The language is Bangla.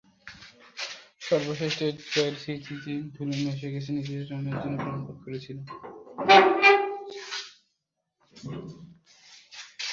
সর্বশেষ টেস্ট জয়ের স্মৃতিতে ধুলো জমে গেছে, নিজেও রানের জন্য প্রাণপাত করছিলেন।